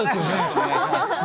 お願いします。